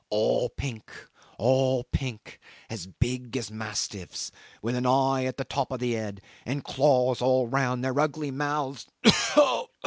"All pink. All pink as big as mastiffs, with an eye on the top of the head and claws all round their ugly mouths.